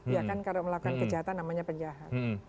ya kan kalau melakukan kejahatan namanya penjahat